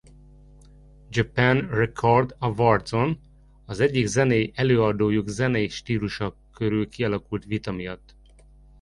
Japan Record Awardson az egyik zenei előadójuk zenei stílusa körül kialakult vita miatt.